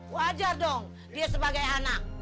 wajar dong dia sebagai anak